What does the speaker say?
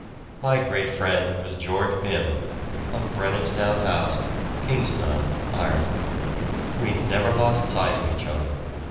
My great friend was George Pim, of Brenanstown House, Kingstown, Ireland. We never lost sight of each other.